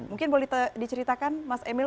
mungkin boleh diceritakan mas emil